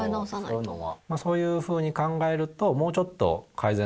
そういうふうに考えるともうちょっと。